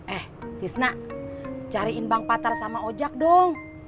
eh tisna cariin bang patar sama ojak dong